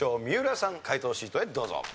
三浦さん解答シートへどうぞ。